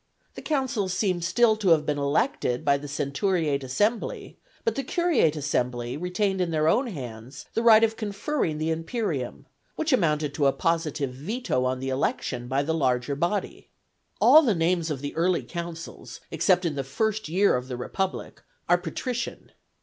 The consuls seem still to have been elected by the Centuriate Assembly, but the Curiate Assembly retained in their own hands the right of conferring the Imperium, which amounted to a positive veto on the election by the larger body. All the names of the early consuls, except in the first year of the Republic, are patrician.